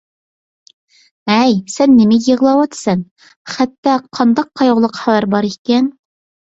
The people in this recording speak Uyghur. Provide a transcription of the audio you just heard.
ھەي، سەن نېمىگە يىغلاۋاتىسەن؟ خەتتە قانداق قايغۇلۇق خەۋەر بار ئىكەن؟